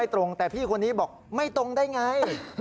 ตรงแต่พี่คนนี้บอกไม่ตรงได้ไง